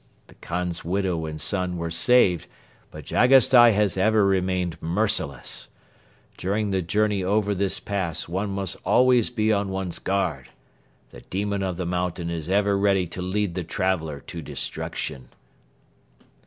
"The Khan's widow and son were saved but Jagasstai has ever remained merciless. During the journey over this pass one must always be on one's guard. The demon of the mountain is ever ready to lead the traveler to destruction."